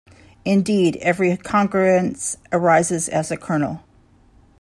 Indeed, every congruence arises as a kernel.